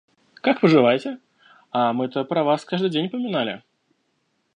Как поживаете? А мы-то про вас каждый день поминали.